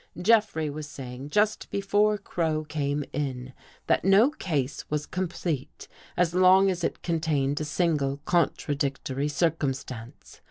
Jeffrey was saying just before Crow came in, that no case was complete as long as it contained a single contradictory circumstance.